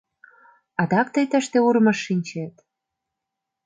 Адак тый тыште урмыж шинчет?